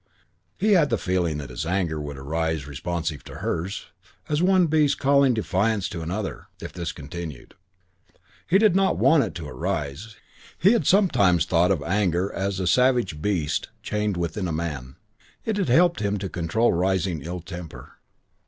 XI He had the feeling that his anger would arise responsive to hers, as one beast calling defiance to another, if this continued. And he did not want it to arise. He had sometimes thought of anger as a savage beast chained within a man. It had helped him to control rising ill temper.